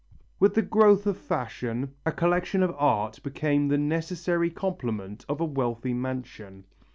] With the growth of fashion, a collection of art became the necessary complement of a wealthy mansion.